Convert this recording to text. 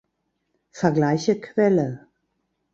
Vergleiche Quelle.